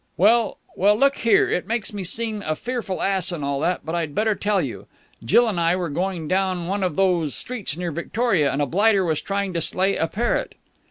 "Well.... Well, look here, it makes me seem a fearful ass and all that, but I'd better tell you. Jill and I were going down one of those streets near Victoria and a blighter was trying to slay a parrot...."